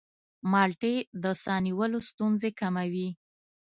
مالټې د ساه نیولو ستونزې کموي.